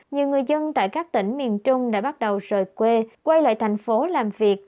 nhiều người dân tại các tỉnh miền trung đã bắt đầu rời quê quay lại thành phố làm việc